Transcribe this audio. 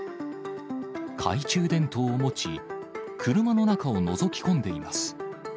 懐中電灯を持ち、車の中をのぞき込んでいます。